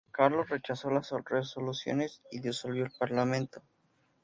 Carlos rechazó las resoluciones y disolvió el parlamento.